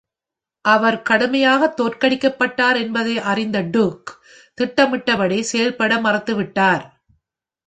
அவர் கடுமையாக தோற்கடிக்கப்பட்டார் என்பதை அறிந்த டுக், திட்டமிட்டபடி செயல்பட மறுத்துவிட்டார்.